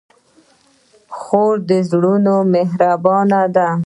خور د زړونو مهربانه ده.